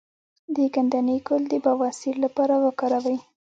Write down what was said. د ګندنه ګل د بواسیر لپاره وکاروئ